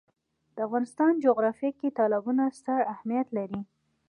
د افغانستان جغرافیه کې تالابونه ستر اهمیت لري.